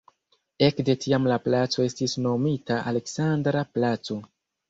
Ekde tiam la placo estis nomita "Aleksandra placo".